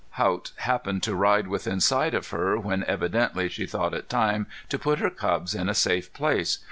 Haught happened to ride within sight of her when evidently she thought it time to put her cubs in a safe place.